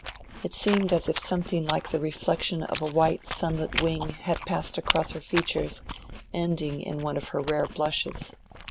It seemed as if something like the reflection of a white sunlit wing had passed across her features, ending in one of her rare blushes.